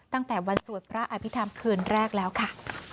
ตั้งแต่วันสวดพระอภิษฐรรมคืนแรกแล้วค่ะ